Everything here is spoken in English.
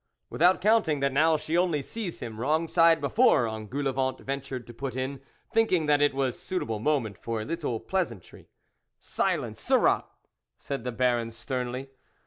" Without counting that now she only sees him wrong side before " Engoulevent ventured to put in, thinking that it was a suitable moment for a little pleasantry. " Silence, sirrah !" said the Baron sternly.